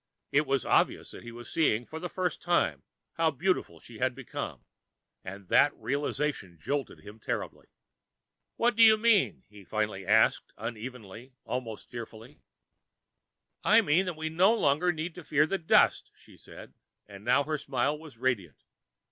It was obvious that he was seeing for the first time how beautiful she had become, and that the realization jolted him terribly. "What do you mean?" he finally asked unevenly, almost fearfully. "I mean that we no longer need to fear the dust," she said, and now her smile was radiant.